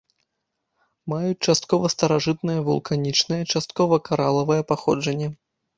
Маюць часткова старажытнае вулканічнае, часткова каралавае паходжанне.